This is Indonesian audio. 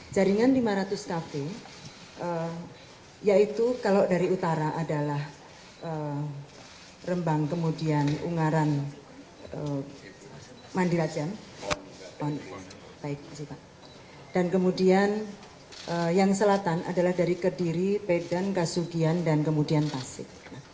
jaringan lima ratus kafe yaitu kalau dari utara adalah rembang kemudian ungaran mandirajan dan kemudian yang selatan adalah dari kediri pedan kasugian dan kemudian pasir